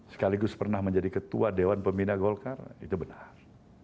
sekaligus pernah menjadi ketua dewan pembina golkar itu benar